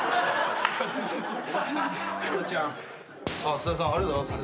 菅田さんありがとうございます。